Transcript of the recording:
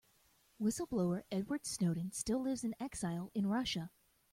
Whistle-blower Edward Snowden still lives in exile in Russia.